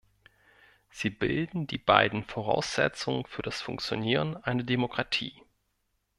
Sie bilden die beiden Voraussetzungen für das Funktionieren einer Demokratie.